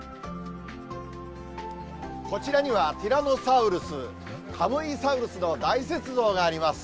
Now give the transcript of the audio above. こちらにはティラノサウルス、カムイサウルスの大雪像があります。